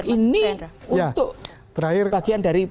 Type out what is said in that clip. ini untuk bagian dari